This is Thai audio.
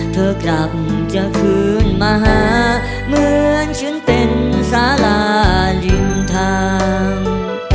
เธอกลับจะคืนมาหาเหมือนฉันเป็นสาราริมทาง